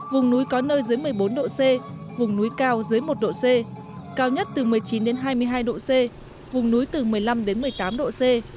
vùng núi có nơi dưới một mươi bốn độ c vùng núi cao dưới một độ c cao nhất từ một mươi chín hai mươi hai độ c vùng núi từ một mươi năm một mươi tám độ c